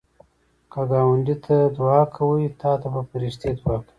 که ګاونډي ته دعا کوې، تا ته به فرښتې دعا کوي